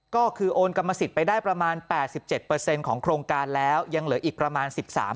ก็คือโอนกรรมสิทธิ์ไปได้ประมาณ๘๗ของโครงการแล้วยังเหลืออีกประมาณ๑๓